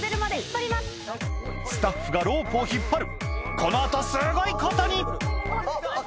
スタッフがロープを引っ張るこの後すごいことに！